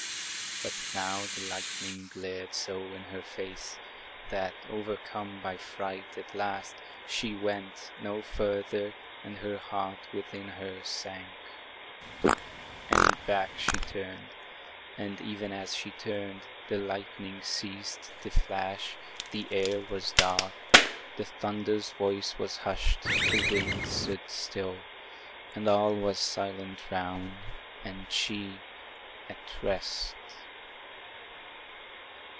But now the lightning glared so in her face, That, overcome by fright at last, she went No farther, and her heart within her sank; And back she turned. And, even as she turned, The lightning ceased to flash, the air was dark, The thunder's voice was hushed, the wind stood still, And all was silent round, and she,—at rest!